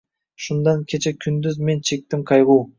Shundan kecha-kunduz men chekdim qayg’u.